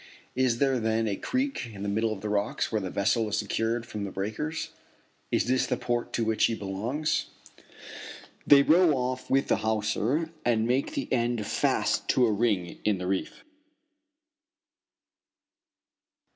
Is there then a creek in the middle of the rocks where the vessel is secure from the breakers? Is this the port to which she belongs? They row off with the hawser and make the end fast to a ring in the reef.